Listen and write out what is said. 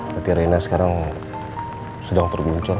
tapi norena sekarang sedang terbuncang